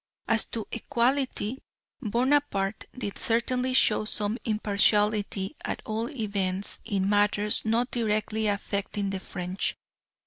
As to "equality," Bonaparte did certainly show some impartiality at all events in matters not directly affecting the French.